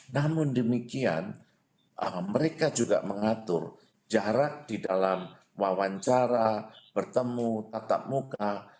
namun demikian mereka juga mengatur jarak di dalam wawancara bertemu tatap muka